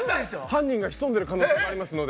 犯人が潜んでる可能性もあります